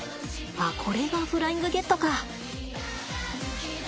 ああこれがフライングゲットか。